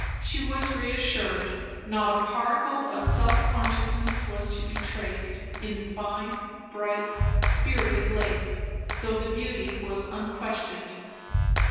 She was reassured; not a particle of self consciousness was to be traced in the fine, bright, spirited lace, though the beauty was unquestioned.